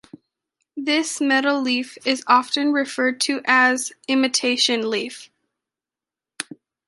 This metal leaf is often referred to as imitation leaf.